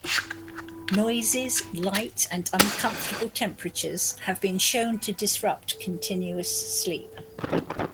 Noises, light, and uncomfortable temperatures have been shown to disrupt continuous sleep.